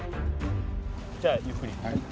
じゃあゆっくり。